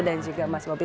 dan juga mas bobby